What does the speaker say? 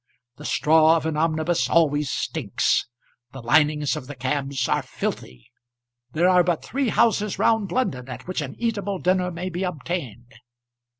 The straw of an omnibus always stinks; the linings of the cabs are filthy. There are but three houses round London at which an eatable dinner may be obtained.